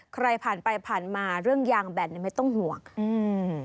ใครผ่านไปผ่านมาเรื่องยางแบนเนี้ยไม่ต้องห่วงอืม